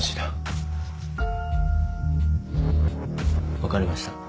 分かりました。